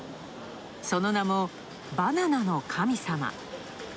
その名も「バナナの神様」。